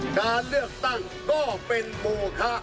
การเลือกตั้งก็เป็นโมคะ